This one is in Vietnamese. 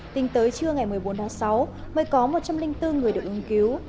tính tới trưa ngày một mươi bốn tháng sáu mới có một trăm linh bốn người được ứng cứu